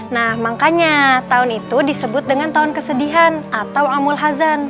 nah makanya tahun itu disebut dengan tahun kesedihan atau amul hazan